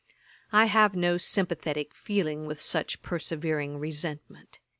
I have no sympathetick feeling with such persevering resentment.